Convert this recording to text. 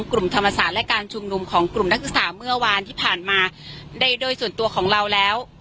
กลุ่มธรรมศาสตร์และการชุมนุมของกลุ่มนักศึกษาเมื่อวานที่ผ่านมาในโดยส่วนตัวของเราแล้ว